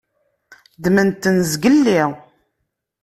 Ddmen-ten zgelli.